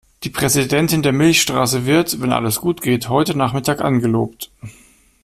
Die Präsidentin der Milchstraße wird, wenn alles gut geht, heute Nachmittag angelobt.